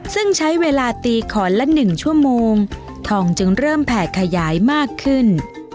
ซึ่งใช้เวลาตีขอนละ๑ชั่วโมงทองจึงเริ่มแผ่ขยายมากขึ้น